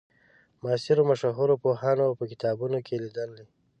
معاصرو مشهورو پوهانو په کتابونو کې لیدلې.